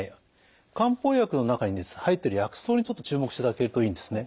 漢方薬の中に入っている薬草にちょっと注目していただけるといいんですね。